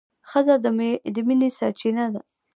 ښځه د مینې سرچینه ده.